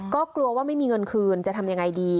ก็กลัวว่าไม่มีเงินคืนจะทำยังไงดี